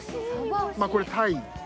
これタイ。